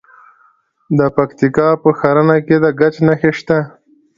د پکتیکا په ښرنه کې د ګچ نښې شته.